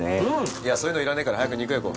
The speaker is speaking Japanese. いやそういうのいらねぇから早く肉焼こう。